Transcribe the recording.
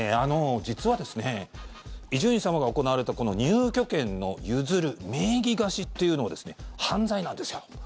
実は、伊集院様が行われた入居権の譲る、名義貸しというのは犯罪なんですよ。